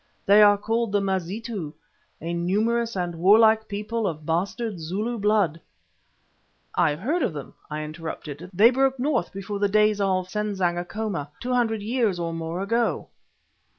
They are called the Mazitu, a numerous and warlike people of bastard Zulu blood." "I have heard of them," I interrupted. "They broke north before the days of Senzangakona, two hundred years or more ago."